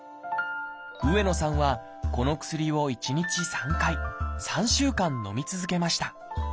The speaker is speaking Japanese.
上野さんはこの薬を１日３回３週間のみ続けました。